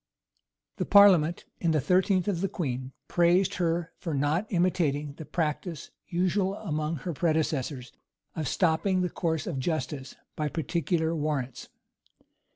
[] The parliament, in the thirteenth of the queen, praised her for not imitating the practice usual among her predecessors, of stopping the course of justice by particular warrants.